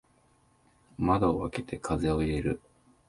窓を開けて風を入れる。